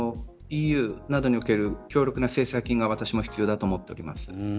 ＥＵなどにおける強力な制裁金が私も必要だと思っています。